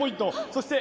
そして